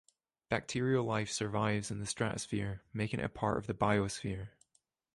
Bacterial life survives in the stratosphere, making it a part of the biosphere.